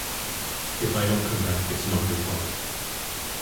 If I don't come back, it's not your fault.